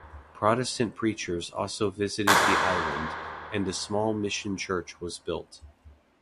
Protestant preachers also visited the island, and a small mission church was built.